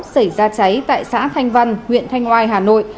xảy ra cháy tại xã thanh văn huyện thanh oai hà nội